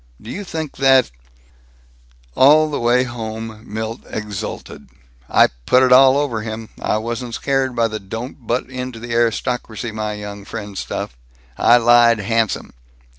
Do you think that " All the way home Milt exulted, "I put it all over him. I wasn't scared by the 'Don't butt into the aristocracy, my young friend' stuff. I lied handsome.